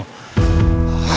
makin gara gara aja